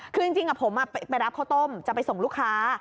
คือจริงผมไปรับข้าวต้มจะไปส่งลูกค้า